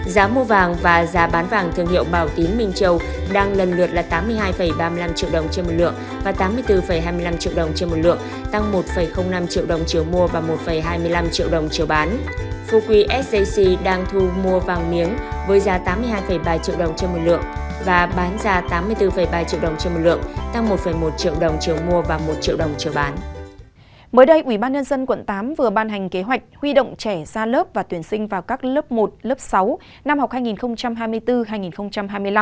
quận tám vừa ban hành kế hoạch huy động trẻ ra lớp và tuyển sinh vào các lớp một lớp sáu năm học hai nghìn hai mươi bốn hai nghìn hai mươi năm